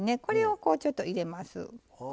これをこうちょっと入れます。